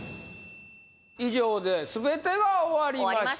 以上で全てが終わりました